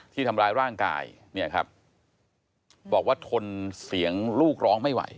ที่ทำร้ายร่างกายเนี่ยครับบอกว่าทนเสียงลูกร้องไม่ไหว